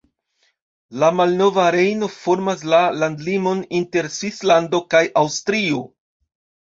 La Malnova Rejno formas la landlimon inter Svislando kaj Aŭstrio.